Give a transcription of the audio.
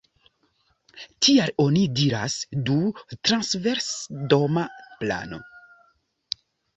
Tial oni diras „du-transversdoma plano“.